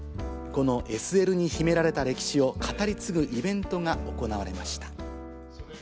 このＳＬに秘められた歴史を語り継ぐイベントが行われました。